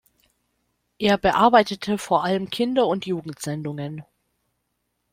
Er bearbeitete vor allem Kinder- und Jugendsendungen.